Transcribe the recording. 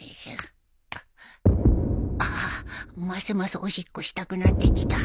ああますますおしっこしたくなってきた